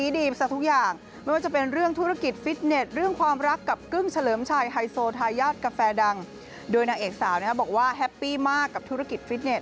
โดยนางเอกสาวบอกว่าแฮปปี้มากกับธุรกิจฟิตเน็